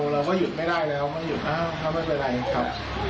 เราก็หยุดไม่ได้แล้วไม่หยุดอ้าวไม่เป็นไรครับ